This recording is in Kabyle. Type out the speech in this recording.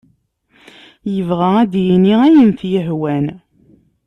Yebɣa ad d-yini ayen t-yehwan.